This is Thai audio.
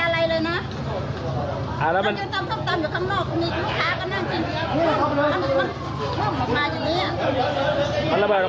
ไม่ได้อะไรเลยนะ